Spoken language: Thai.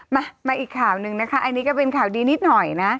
มามาอีกข่าวหนึ่งนะคะอันนี้ก็เป็นข่าวดีนิดหน่อยนะ